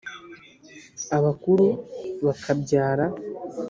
abakuru bakabyara